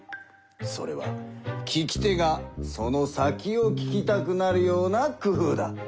それは聞き手がその先を聞きたくなるような工ふうだ。